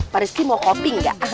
pak rizky mau kopi gak